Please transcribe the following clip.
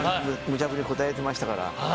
ムチャぶり答えてましたから。